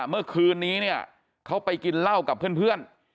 เมื่อคืนนี้เนี่ยเขาไปกินเหล้ากับเพื่อน